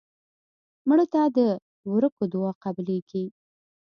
مړه ته د ورکو دعا قبلیږي